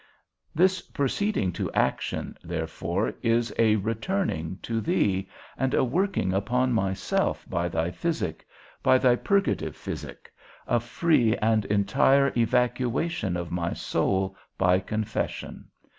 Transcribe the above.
This proceeding to action, therefore, is a returning to thee, and a working upon myself by thy physic, by thy purgative physic, a free and entire evacuation of my soul by confession.